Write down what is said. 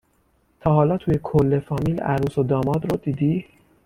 تا حالا توی کل فامیل عروس و داماد رو دیدی